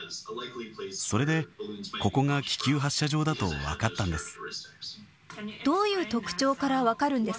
それで、ここが気球発射場だと分かったんです。